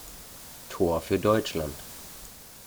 Tor für Deutschland!